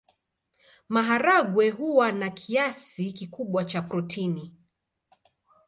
Maharagwe huwa na kiasi kikubwa cha protini.